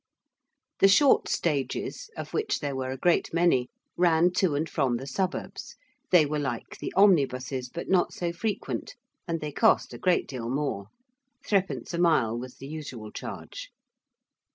The 'short stages,' of which there were a great many, ran to and from the suburbs: they were like the omnibuses, but not so frequent, and they cost a great deal more. Threepence a mile was the usual charge.